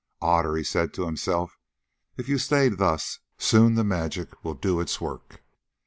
"Otter," he said to himself, "if you stay thus, soon the magic will do its work.